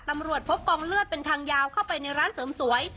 พบกองเลือดเป็นทางยาวเข้าไปในร้านเสริมสวย